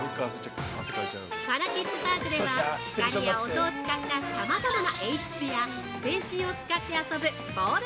◆このキッズパークでは光や音を使った、さまざまな演出や全身を使って遊ぶボール